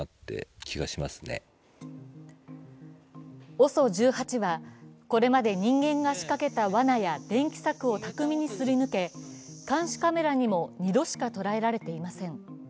ＯＳＯ１８は、これまで人間が仕掛けたわなや電気柵を巧みにすり抜け、監視カメラにも２度しか捉えられていません。